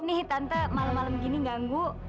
nih tante malam malam gini ganggu